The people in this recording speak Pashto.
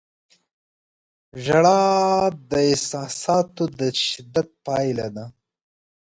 • ژړا د احساساتو د شدت پایله ده.